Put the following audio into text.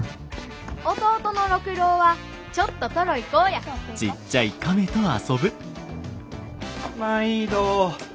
弟の六郎はちょっとトロい子やまいど。